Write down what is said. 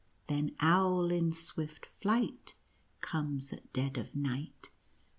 Then Owl in swift flight comes at dead of nisrht.